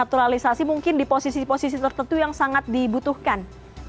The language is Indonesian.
atau apakah mereka sudah bergabung di posisi posisi tertentu yang sangat dibutuhkan